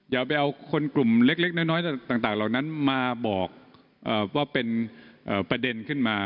อย่าไปเอาคนกลุ่มเล็กน้อยต่างเหล่านั้นมาบอกว่าเป็นประเด็นขึ้นมา